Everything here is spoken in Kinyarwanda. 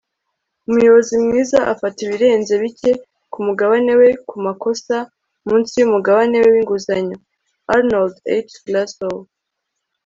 umuyobozi mwiza afata ibirenze bike ku mugabane we ku makosa, munsi y'umugabane we w'inguzanyo. - arnold h. glasow